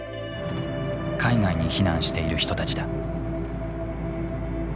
海外に避難している人たちだ。